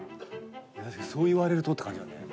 確かにそう言われるとって感じだね。